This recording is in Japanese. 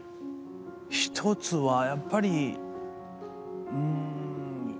１つはやっぱりうーん。